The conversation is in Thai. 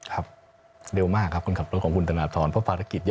ครับเร็วมากครับคนขับรถของคุณธนทรเพราะภารกิจ